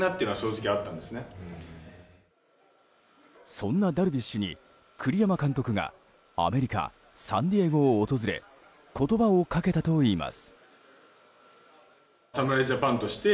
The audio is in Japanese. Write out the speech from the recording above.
そんなダルビッシュに栗山監督がアメリカ・サンディエゴを訪れ言葉をかけたといいます。